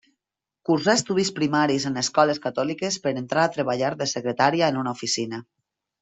Cursà estudis primaris en escoles catòliques per entrar a treballar de secretària en una oficina.